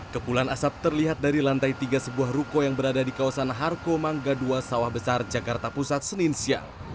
kepulan asap terlihat dari lantai tiga sebuah ruko yang berada di kawasan harko mangga dua sawah besar jakarta pusat senin siang